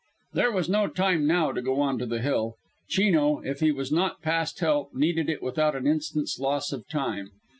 There was no time now to go on to the Hill. Chino, if he was not past help, needed it without an instant's loss of time.